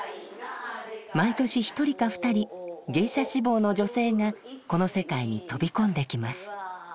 毎年１人か２人芸者志望の女性がこの世界に飛び込んできます。